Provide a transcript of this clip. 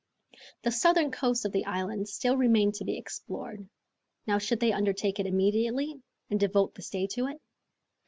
The southern coast of the island still remained to be explored. Now should they undertake it immediately, and devote this day to it?